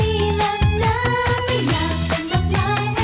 ไม่อยากเป็นบัตรรายแห้งตายเลยนะ